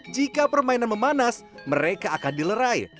jika permainan memanas mereka akan dilerai